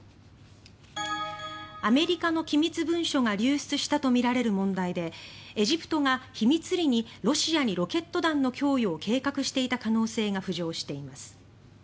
アメリカの機密文書が流出したとみられる問題でエジプトが秘密裏にロシアにロケット弾の供与を計画していた可能性が浮上しています。